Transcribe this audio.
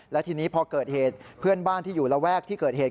และทีนี้พอเกิดเหตุเพื่อนบ้านที่อยู่ระแวกที่เกิดเหตุ